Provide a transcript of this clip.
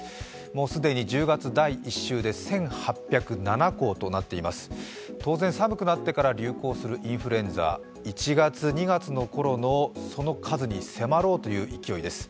既に１０月第１週で１８０７校となっています、当然寒くなってから流行するインフルエンザ、１月、２月のころの数に迫ろうという勢いです。